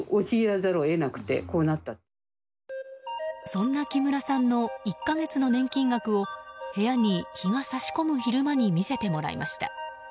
そんな木村さんの１か月の年金額を部屋に日が差し込む昼間に見せてもらいました。